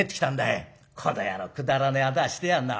「この野郎くだらねえ仇してやがんな。